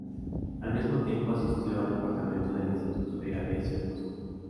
Al mismo tiempo asistió al Departamento del Instituto de Aviación de Moscú.